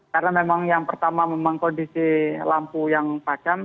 karena memang yang pertama memang kondisi lampu yang padam